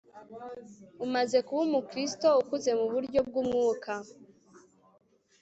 umaze kuba umukristo ukuze mu buryo bw'umwuka